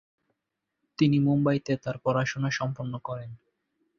তিনি মুম্বাইতে তার পড়াশোনা সম্পন্ন করেন।